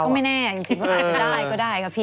ก็ไม่แน่จริงมันอาจจะได้ก็ได้ครับพี่